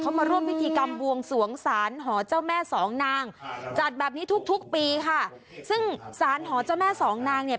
เขามาร่วมพิธีกรรมบวงสวงศาลหอเจ้าแม่สองนางจัดแบบนี้ทุกทุกปีค่ะซึ่งสารหอเจ้าแม่สองนางเนี่ย